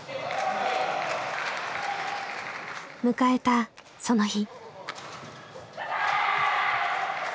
迎えたその日。